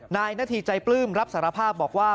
นายนาธีใจปลื้มรับสารภาพบอกว่า